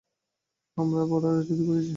আমরা বড়রা চুরি করেছি।